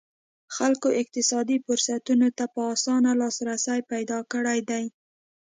خلکو اقتصادي فرصتونو ته په اسانه لاسرسی پیدا کړی دی.